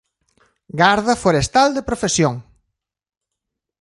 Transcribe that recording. Garda forestal de profesión.